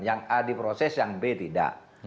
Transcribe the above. yang a diproses yang b tidak